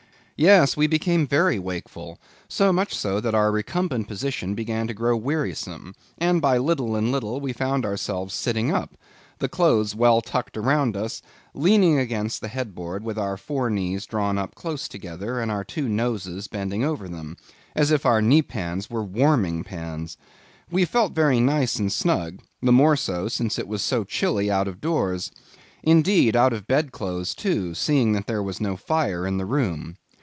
Yes, we became very wakeful; so much so that our recumbent position began to grow wearisome, and by little and little we found ourselves sitting up; the clothes well tucked around us, leaning against the head board with our four knees drawn up close together, and our two noses bending over them, as if our kneepans were warming pans. We felt very nice and snug, the more so since it was so chilly out of doors; indeed out of bed clothes too, seeing that there was no fire in the room.